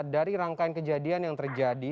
dari rangkaian kejadian yang terjadi